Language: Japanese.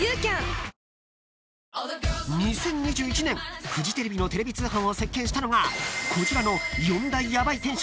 ［２０２１年フジテレビのテレビ通販を席巻したのがこちらの］